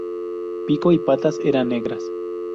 Pico y patas eran negras.